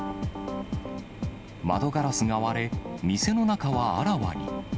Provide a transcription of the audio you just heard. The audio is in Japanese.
窓ガラスが割れ、店の中はあらわに。